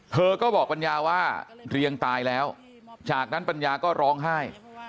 เธอก็บอกปัญญาว่าเรียงตายแล้วจากนั้นปัญญาก็ร้องไห้